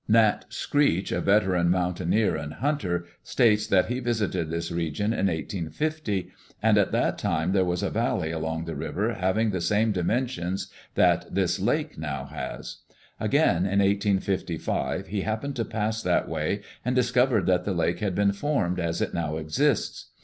Nat. Screech, a veteran mountaineer and hunter, states that he visited this region in 1850, and at that time there was a valley along the river having the same dimensions that this lake now has. Again, in 1855, he happened to pass that way and discovered that the lake had been formed as it now exists.